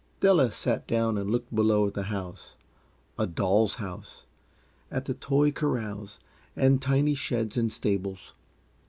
Della sat down and looked below at the house a doll's house; at the toy corrals and tiny sheds and stables.